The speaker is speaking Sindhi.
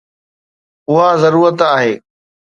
اها ضرورت آهي